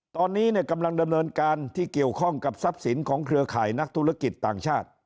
ตอนนี้กำลังดำเนินการที่เกี่ยวข้องกับทรัพย์สินของเครือข่ายนักธุรกิจต่างชาติ